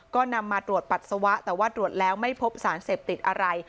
ก็นำมาตรวจปัสสาวะแต่ว่าตรวจแล้วไม่พบสารเสพติดอะไร